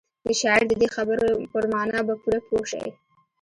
د شاعر د دې خبرو پر مانا به پوره پوه شئ.